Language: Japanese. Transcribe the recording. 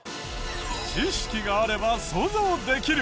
知識があれば想像できる。